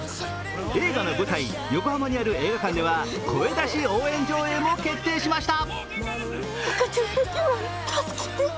映画の舞台、横浜にある映画館では声出し応援上映も決定しました。